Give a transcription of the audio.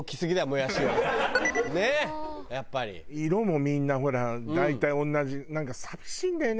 色もみんなほら大体同じなんか寂しいんだよね。